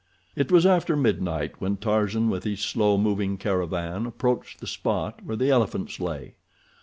It was after midnight when Tarzan, with his slow moving caravan, approached the spot where the elephants lay.